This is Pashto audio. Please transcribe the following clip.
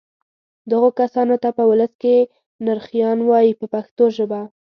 دغو کسانو ته په ولس کې نرخیان وایي په پښتو ژبه.